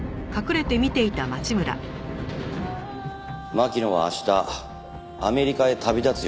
巻乃は明日アメリカへ旅立つ予定でした。